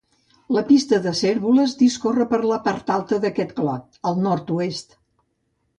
La Pista de Cérvoles discorre per la part alta d'aquest clot, al nord-oest.